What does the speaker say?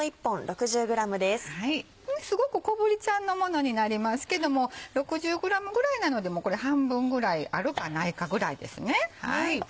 すごく小ぶりちゃんのものになりますけども６０ｇぐらいなのでこれ半分ぐらいあるかないかぐらいですね。